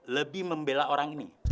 lebih membela orang ini